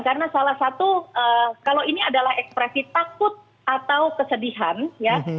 karena salah satu kalau ini adalah ekspresi takut atau kesedihan ya